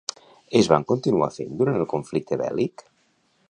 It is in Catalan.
Es van continuar fent durant el conflicte bèl·lic?